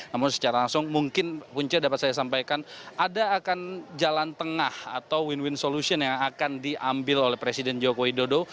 namun secara langsung mungkin punca dapat saya sampaikan ada akan jalan tengah atau win win solution yang akan diambil oleh presiden joko widodo